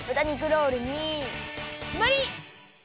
ロールにきまり！